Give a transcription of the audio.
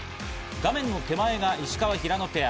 画面の手前が石川・平野ペア。